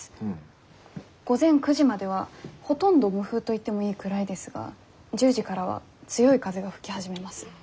午前９時まではほとんど無風といってもいいくらいですが１０時からは強い風が吹き始めます。